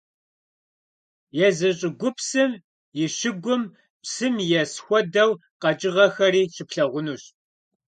Езы щӀыгупсым и щыгум псым ес хуэдэу къэкӀыгъэхэри щыплъагъунущ.